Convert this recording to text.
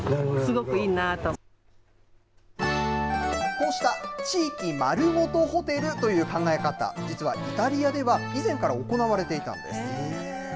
こうした地域まるごとホテルという考え方、実はイタリアでは以前から行われていたんです。